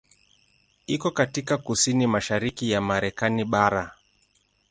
Iko katika kusini-mashariki ya Marekani bara.